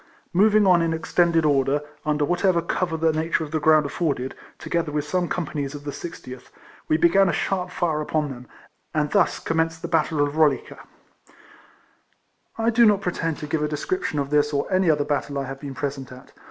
Moving on in extended order, under what ever cover the nature of the ground afforded, together with some companies of the 60tb, we began a sharp fire upon them ; and thus commenced the battle of Rolica. RIFLEMAN HARRIS. 41 I do not pretend to give a description of this or any other battle I have been present at.